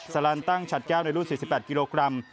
ลันตั้งฉัดแก้วในรุ่น๔๘กิโลกรัม